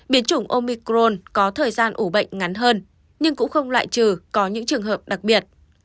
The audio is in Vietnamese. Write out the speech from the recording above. biến chủng omicrone có thời gian ủ bệnh ngắn hơn nhưng cũng không loại trừ có những trường hợp đặc biệt